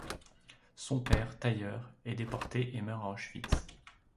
Son père, tailleur, est déporté et meurt à Auschwitz.